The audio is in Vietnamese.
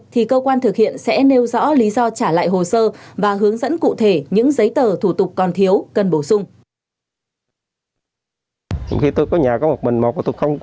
thì cơ quan thực hiện sẽ nêu rõ lý do trả lại hồ sơ và hướng dẫn cụ thể những giấy tờ thủ tục còn thiếu cần bổ sung